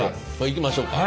いきましょうか。